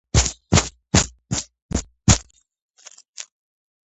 შედის ანტეკერის დოლმენების ანსამბლში.